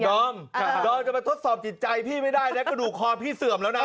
ดอมดอมจะมาทดสอบจิตใจพี่ไม่ได้และกระดูกคอพี่เสื่อมแล้วนะ